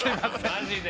◆マジで！